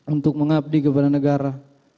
untuk mengabdi kepada negara